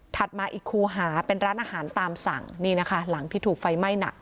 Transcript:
มาอีกคูหาเป็นร้านอาหารตามสั่งนี่นะคะหลังที่ถูกไฟไหม้หนัก